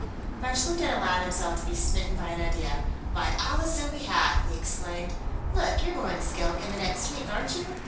Von Schlichten allowed himself to be smitten by an idea. "By Allah, so we had!" he exclaimed. "Look, you're going to Skilk, in the next week, aren't you?